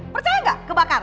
percaya gak kebakar